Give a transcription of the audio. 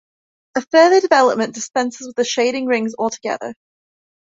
A further development dispenses with the shading rings altogether.